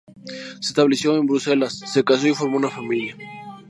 Se estableció en Bruselas, se casó y formó una familia.